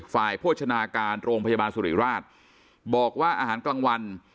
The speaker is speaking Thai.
โภชนาการโรงพยาบาลสุริราชบอกว่าอาหารกลางวัน